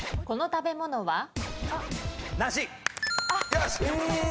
この食べ物は？